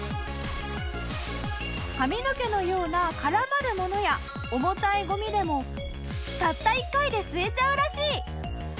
髪の毛のような絡まるものや重たいゴミでもたった１回で吸えちゃうらしい！